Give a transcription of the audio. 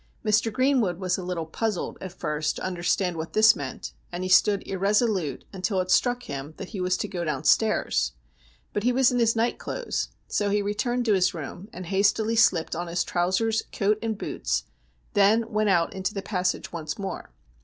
Mr. Greenwood was a little puzzled at first to understand what this meant, and he stood irresolute until it struck him that he was to go downstairs. But he was in his night clothes, so he returned to his room, and hastily slipped on his trousers, coat, and boots, then went out into the passage once more.